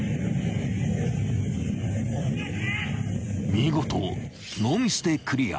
［見事ノーミスでクリア］